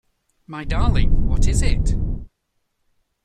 My darling, what is it?